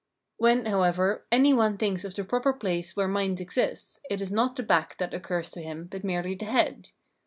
When, however, any one thinks of the proper place where mind exists, it is not the back that occurs to him, but merely the head.